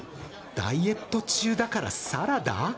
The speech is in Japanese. ダイエット中だからサラダ？